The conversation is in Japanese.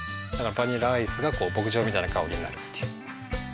バニラアイスが牧場みたいな香りになるっていう。